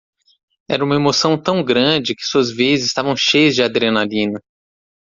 Era uma emoção tão grande que suas veias estavam cheias de adrenalina.